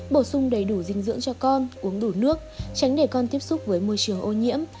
bổ sung đầy đủ dinh dưỡng cho con uống đủ nước tránh để con tiếp xúc với môi trường ô nhiễm